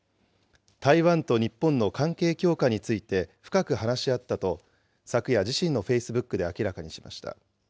台湾と日本の関係強化について深く話し合ったと、昨夜、自身のフェイスブックで明らかにしました。